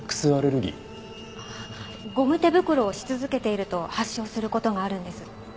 ゴム手袋をし続けていると発症する事があるんです。